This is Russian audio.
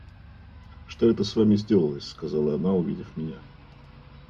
«Что это с вами сделалось? – сказала она, увидев меня.